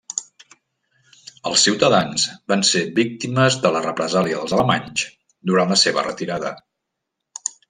Els ciutadans van ser víctimes de la represàlia dels alemanys durant la seva retirada.